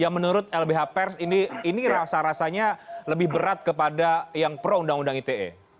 menurut lbh pers ini rasa rasanya lebih berat kepada yang pro undang undang ite